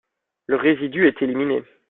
Le résidu est éliminé.